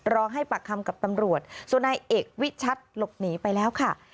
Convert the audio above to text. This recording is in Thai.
รอให้ปากคำกับตำรวจส่วนนายเอกวิชัดหลบหนีไปแล้วค่ะ